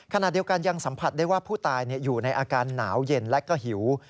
ขณะเดียวกันยังสัมผัสได้ว่าผู้ตายอยู่ในอาการหนาวเย็นและก็หิว